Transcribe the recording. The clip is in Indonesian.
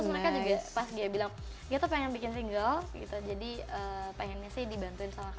terus mereka juga pas ghea bilang ghea tuh pengen bikin single gitu jadi pengennya sih dibantuin sama hi fi